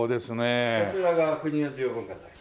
こちらが国の重要文化財。